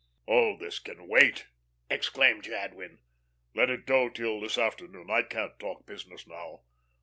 "Oh, this can wait?" exclaimed Jadwin. "Let it go till this afternoon. I can't talk business now.